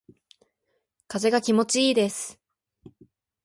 風が気持ちいいです。